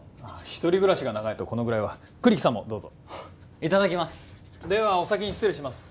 一人暮らしが長いとこのぐらいは栗木さんもどうぞいただきますではお先に失礼します